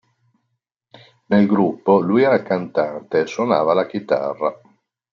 Nel gruppo, lui era il cantante e suonava la chitarra.